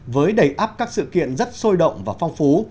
với đầy ấp các sự kiện rất sôi động và phong phú